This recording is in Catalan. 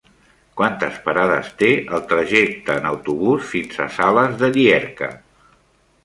Quantes parades té el trajecte en autobús fins a Sales de Llierca?